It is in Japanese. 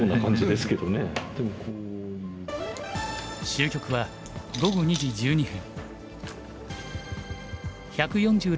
終局は午後２時１２分。